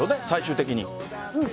最終的に。